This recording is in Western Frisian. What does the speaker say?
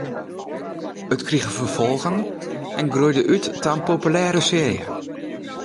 It krige ferfolgen en groeide út ta in populêre searje.